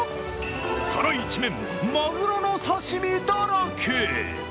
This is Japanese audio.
皿一面、まぐろの刺身だらけ。